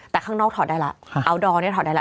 แต่ข้างนอกถอดได้ละอัลโดรนี่ถอดได้ละ